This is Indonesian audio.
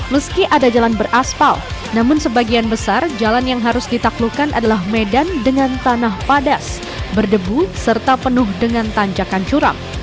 meski ada jalan beraspal namun sebagian besar jalan yang harus ditaklukkan adalah medan dengan tanah padas berdebu serta penuh dengan tanjakan curam